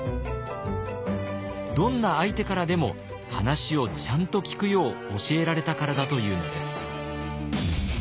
どんな相手からでも話をちゃんと聞くよう教えられたからだというのです。